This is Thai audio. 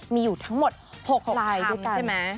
มีอยู่ทั้งหมด๖ลายด้วยกันใช่ไหม